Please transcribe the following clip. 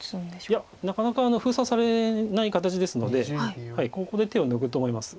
いやなかなか封鎖されない形ですのでここで手を抜くと思います。